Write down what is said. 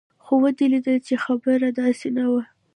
خو ودې ليدل چې خبره داسې نه وه.